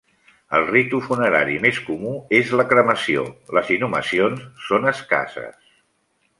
El ritu funerari més comú és la cremació, les inhumacions són escasses.